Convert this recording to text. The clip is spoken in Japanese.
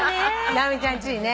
直美ちゃんちにね。